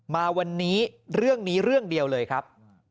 มาวันนี้เรื่องนี้เรื่องเดียวเลยครับ